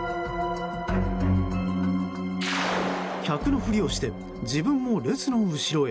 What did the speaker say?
客のふりをして自分も列の後ろへ。